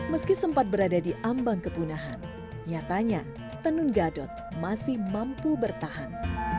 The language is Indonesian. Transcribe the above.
meski sempat berada di ambang kepunahan nyatanya tenun gadot masih mampu bertahan